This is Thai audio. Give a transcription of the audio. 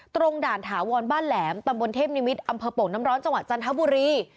ตรงด่านถาวรบ้านแหลมตำบลเทพนิมิตรอำเภอโป่งน้ำร้อนจังหวัดจันทบุรี